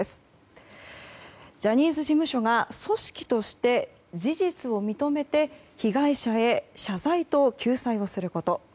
ジャニーズ事務所が組織として事実を認めて被害者へ謝罪と救済をすること。